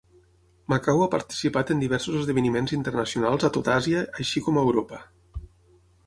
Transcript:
Macau ha participat en diversos esdeveniments internacionals a tot Àsia així com a Europa.